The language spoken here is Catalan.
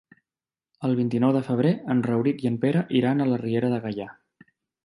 El vint-i-nou de febrer en Rauric i en Pere iran a la Riera de Gaià.